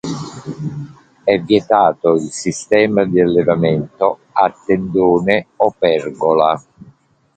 È vietato il sistema di allevamento a tendone o pergola.